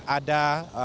ada beberapa fasilitas